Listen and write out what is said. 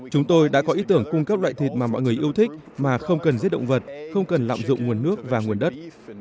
chúng tôi đã có ý tưởng cung cấp loại thịt mà mọi người yêu thích mà không cần giết động vật không cần lạm dụng nguồn nước và nguồn đất